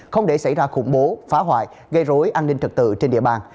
không để xảy ra khủng bố phá hoại gây rối an ninh trật tự trên địa bàn